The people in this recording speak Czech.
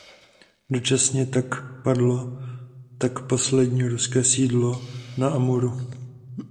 Dočasně tak padlo tak poslední ruské sídlo na Amuru.